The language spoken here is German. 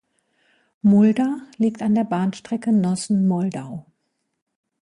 Mulda liegt an der Bahnstrecke Nossen–Moldau.